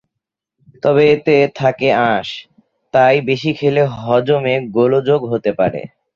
তবে এতে থাকে আঁশ, তাই বেশি খেলে হজমে গোলযোগ হতে পারে।